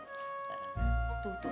tuh tuh tuh tuh